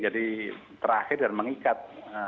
jadi terakhir dan mengikat